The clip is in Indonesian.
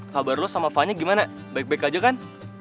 kabar lo sama fani gimana baik baik aja kan